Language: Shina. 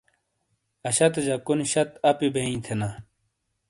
اَشاتے جَکونی شَت اَپی بئیں تھینا۔